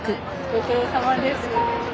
ご苦労さまです。